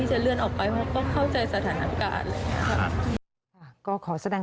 หรือพื้นที่อะไรก่อน